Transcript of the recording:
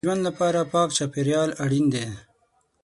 د ژوند لپاره پاک چاپېریال اړین دی.